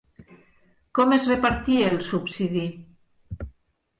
Com es repartia el subsidi?